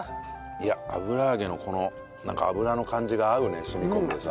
いや油揚げのこのなんか油の感じが合うね染み込んでさ。